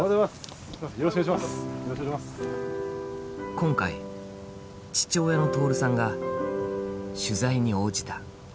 今回父親の徹さんが取材に応じた。